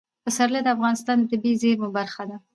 پسرلی د افغانستان د طبیعي زیرمو برخه ده.